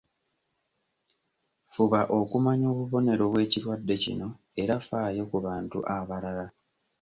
Fuba okumanya obubonero bw’ekirwadde kino era faayo ku bantu abalala.